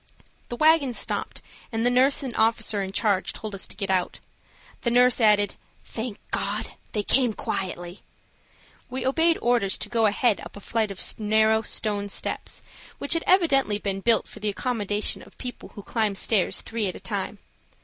The wagon stopped, and the nurse and officer in charge told us to get out. The nurse added: "Thank God! they came quietly." We obeyed orders to go ahead up a flight of narrow, stone steps, which had evidently been built for the accommodation of people who climb stairs three at a time.